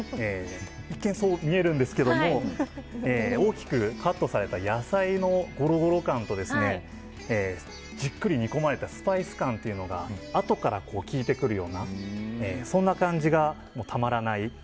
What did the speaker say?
一見そう見えるんですけど大きくカットされた野菜のゴロゴロ感とじっくり煮込まれたスパイス感というのがあとから効いてくるようなそんな感じがたまらない